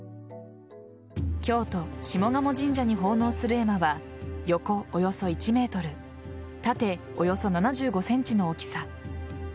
京都・下鴨神社に奉納する絵馬は横およそ１ｍ縦およそ７５ｃｍの大きさ。